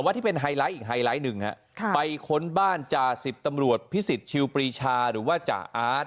ที่เป็นไฮไลท์อีกไฮไลท์หนึ่งฮะไปค้นบ้านจ่าสิบตำรวจพิสิทธิชิวปรีชาหรือว่าจ่าอาร์ต